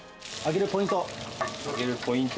揚げるポイント。